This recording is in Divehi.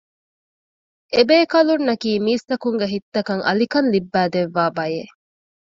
އެ ބޭކަލުންނަކީ މީސްތަކުންގެ ހިތްތަކަށް އަލިކަން ލިއްބައިދެއްވާ ބަޔެއް